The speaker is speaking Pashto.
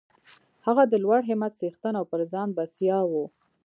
هغه د لوړ همت څښتن او پر ځان بسیا و